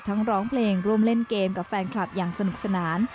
ร้องเพลงร่วมเล่นเกมกับแฟนคลับอย่างสนุกสนาน